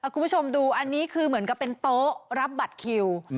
คุณผู้ชมดูอันนี้คือเหมือนกับเป็นโต๊ะรับบัตรคิว